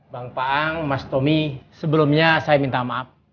bang paang mas tommy sebelumnya saya minta maaf